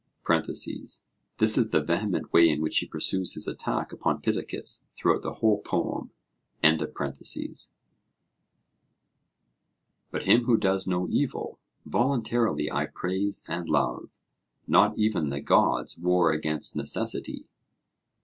(this is the vehement way in which he pursues his attack upon Pittacus throughout the whole poem): 'But him who does no evil, voluntarily I praise and love; not even the gods war against necessity.'